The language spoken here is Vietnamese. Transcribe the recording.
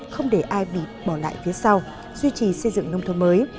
không để ai bị bỏ lại phía sau duy trì xây dựng nông thôn mới